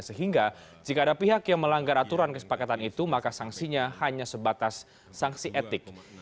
sehingga jika ada pihak yang melanggar aturan kesepakatan itu maka sanksinya hanya sebatas sanksi etik